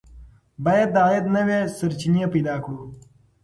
باید د عاید نوې سرچینې پیدا کړو.